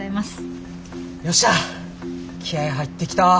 よっしゃ気合い入ってきた！